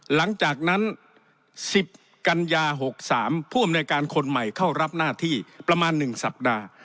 หลังจากนั้น๑๐กันยา๖๓ผู้อำนวยการคนใหม่เข้ารับหน้าที่ประมาณ๑สัปดาห์